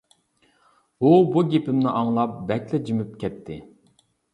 ئۇ بۇ گېپىمنى ئاڭلاپ بەكلا جىمىپ كەتتى.